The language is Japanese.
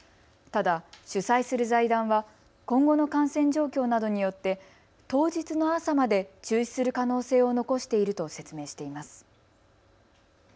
ただ主催する財団は今後の感染状況などによって当日の朝まで中止する可能性を残していると説明しています。